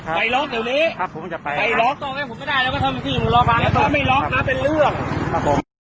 สุดท้ายสุดท้ายสุดท้ายสุดท้าย